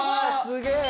すげえ！